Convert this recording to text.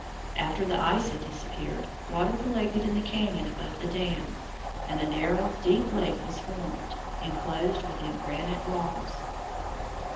After the ice had disappeared, water collected in the cañon above the dam, and the narrow, deep lake was formed, enclosed within granite walls.